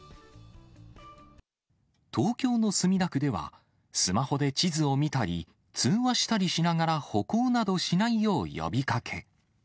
東京の墨田区では、スマホで地図を見たり、通話したりしながら歩行などしないよう呼びかけ。